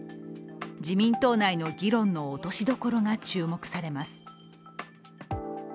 自民党内の議論の落としどころが注目されます。